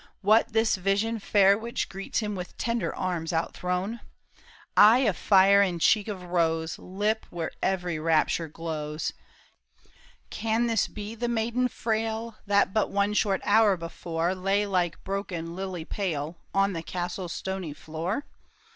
What this vision fair which greets Him with tender arms outthrown ? Eye of fire and cheek of rose, Lip where every rapture glows, — Can this be the maiden frail That but one short hour before Lay like broken lily pale On the castle's stony floor